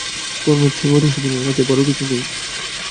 কর্মের চেয়ে মধুসূদনের কাছে বড়ো কিছু নেই।